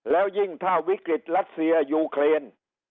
แล้วยิ่งถ้าวิกฤตรัสเซียยูเครน